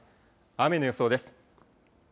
雨の予想です。